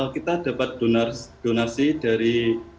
kita dapat donasi dari teman teman relawan juga pak sony